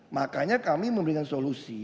makanya kami memberikan solusi